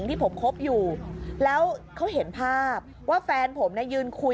ตอนต่อไป